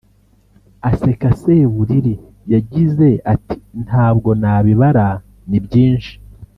aseka Seburiri yagize ati “Ntabwo nabibara ni byinshi